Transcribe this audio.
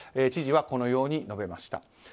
知事はこのように述べました。